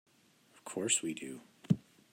Of course we do.